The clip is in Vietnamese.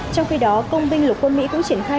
trong khi đó công binh lục quân mỹ cũng triển khai